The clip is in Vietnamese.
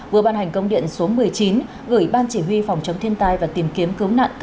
vừa ban hành công điện số một mươi chín gửi ban chỉ huy phòng chống thiên tai và tìm kiếm cứu nạn